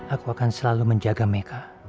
aku akan selalu menjaga mereka